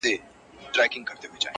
ستا انګور انګور کتو مست و مدهوش کړم-